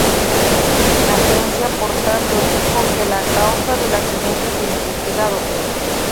La agencia, por tanto, dijo que la causa del accidente sería investigado.